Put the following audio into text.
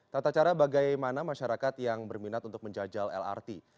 tata cara bagaimana masyarakat yang berminat untuk menjajal lrt